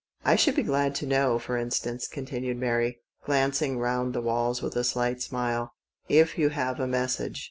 I should be glad to know, for instance," continued Mary, glancing round the walls with a slight smile, " if you have a Message